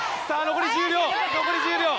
残り１０秒！